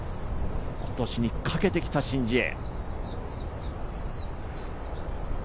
今年にかけてきたシン・ジエ。